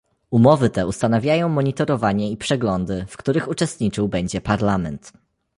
Umowy te ustanawiają monitorowanie i przeglądy, w których uczestniczył będzie Parlament